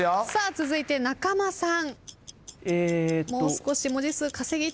続いて浜口さん。